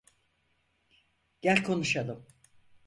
Gel konuşalım.